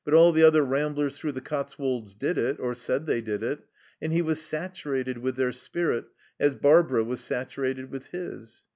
But all the other ramblers through the Cotswolds did it, or said they did it; and he was saturated with their spirit, as Barbara was saturated with his.